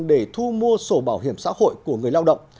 để thu mua sổ bảo hiểm xã hội của người lao động